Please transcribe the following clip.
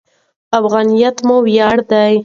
افغانیت مو ویاړ دی.